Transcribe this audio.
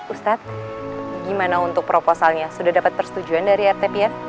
ustadz gimana untuk proposalnya sudah dapat persetujuan dari rtpn